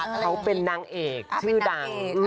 เขาเป็นนางเอกชื่อดัง